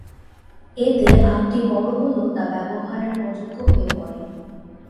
এতে আখটি বড় হলেও তা ব্যবহারের অযোগ্য হয়ে পড়ে।